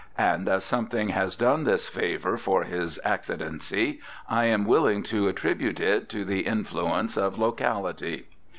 And as something has done this favor for His Accidency, I am willing to attribute it to the influence of locality.